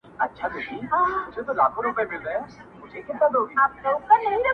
چا په غوږ کي را ویله ویده نه سې بندیوانه؛